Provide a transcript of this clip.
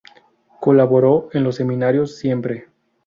Colaboró en los semanarios "Siempre!